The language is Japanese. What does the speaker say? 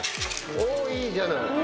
おぉいいじゃない。